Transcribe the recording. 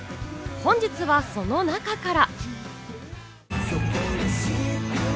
本日はその中から。